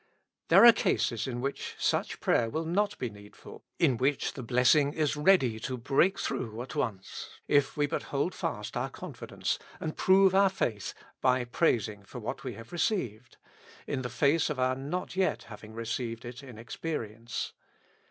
There are cases in which such prayer will not be need ful, in which the blessing is ready to break through at once, if we but hold fast our confidence, and prove our faith by praising for what we have received, in the face of our not yet having it in experience.